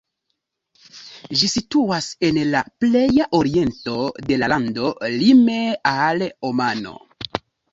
Ĝi situas en la pleja oriento de la lando, lime al Omano.